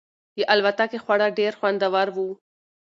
د الوتکې خواړه ډېر خوندور وو.